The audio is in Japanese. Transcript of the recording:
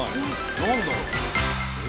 何だろう？